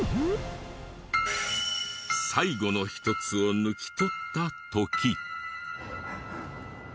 最後の１つを抜き取った時。